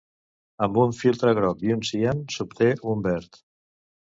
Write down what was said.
Amb un filtre groc i un cian s'obté un verd.